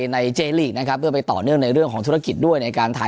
ในเจลีกนะครับเพื่อไปต่อเนื่องในเรื่องของธุรกิจด้วยในการถ่าย